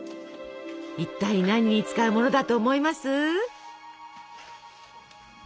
いったい何に使うものだと思います？